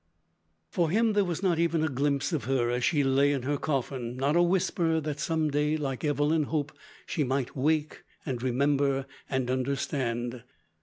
For him there was not even a glimpse of her as she lay in her coffin, nor a whisper that some day, like Evelyn Hope, she might "wake, and remember and understand."